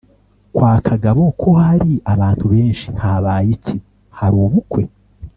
kwa kagabo ko hari abantu benshi habaye iki? hari ubukwe?